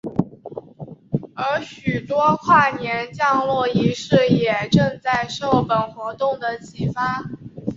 而许多跨年降落仪式也正是受到本活动的启发。